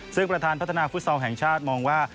ซึ่งประธานพัฒนาฟุตซอลแห่งชาติมองว่า